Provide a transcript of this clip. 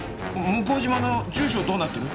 向島の住所どうなってる？